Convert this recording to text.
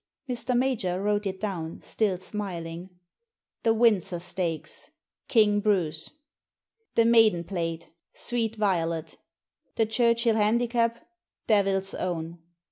Mr. Major wrote it down, still smiling. The Windsor Stakes — King Bruce. The Maiden Plate — Sweet Violet The Churchill Handicap— Devil's Own.